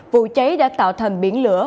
vụ cháy đã tạo thành biển lửa